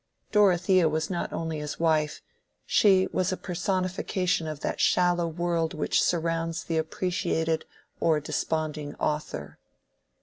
Dorothea was not only his wife: she was a personification of that shallow world which surrounds the appreciated or desponding author.